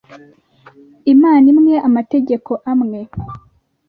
Imana imwe, Amategeko amwe.